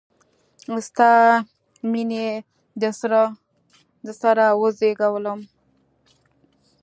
ستا میینې د سره وزیږولم